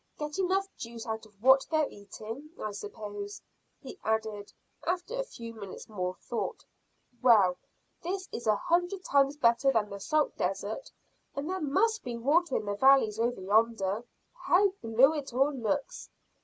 Get enough juice out of what they're eating, I suppose," he added, after a few minutes' more thought. "Well, this is a hundred times better than the salt desert, and there must be water in the valleys over yonder. How blue it all looks!